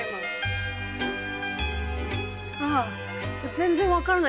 あっ全然分からない。